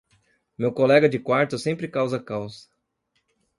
Meu colega de quarto sempre causa caos.